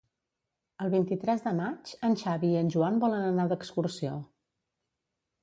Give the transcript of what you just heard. El vint-i-tres de maig en Xavi i en Joan volen anar d'excursió.